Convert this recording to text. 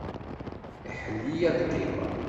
Iḥell-iyi ad qqimeɣ.